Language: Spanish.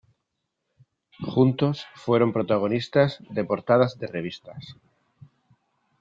Juntos fueron protagonistas de portadas de revistas.